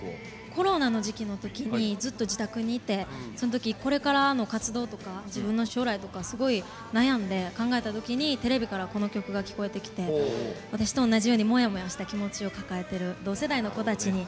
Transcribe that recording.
コロナの時期の時にずっと自宅にいてその時これからの活動とか自分の将来とかすごい悩んで考えた時にテレビからこの曲が聞こえてきて私と同じようにモヤモヤした気持ちを抱えてる同世代の子たちにぜひ聴いてもらいたいなと思って。